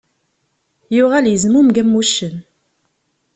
Yuɣal yezmumeg am wuccen.